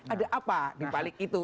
ada apa di balik itu